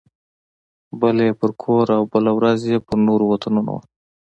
بله یې پر کور او بله ورځ یې پر نورو وطنونو وه.